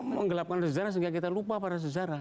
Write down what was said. menggelapkan sejarah sehingga kita lupa